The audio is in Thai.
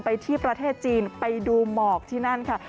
ไปที่ประเทศจีนไปดูหมอกที่นั่นค่ะ